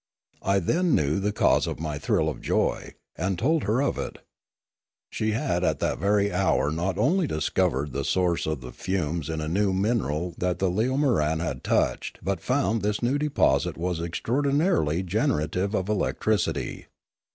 I then knew the cause of my thrill of joy, and told her of it. She had at that very hour not only discovered the source of the fumes in a new mineral that the leotnoran. had touched, but found that this new deposit was extraordinarily generative of electricity.